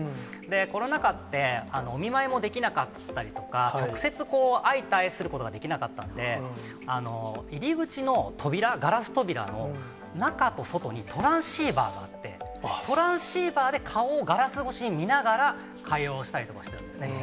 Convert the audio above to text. コロナ禍って、お見舞いもできなかったりとか、直接、相対することができなかったんで、入り口の扉、ガラス扉の中と外にトランシーバーがあって、トランシーバーで顔をガラス越しに見ながら、会話をしたりとかしてたんですね。